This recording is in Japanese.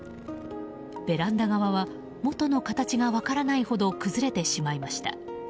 ベランダ側は元の形が分からないほど崩れてしまいました。